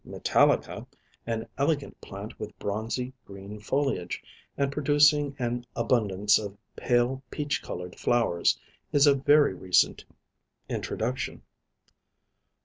Metallica, an elegant plant with bronzy green foliage, and producing an abundance of pale peach colored flowers, is of very recent introduction.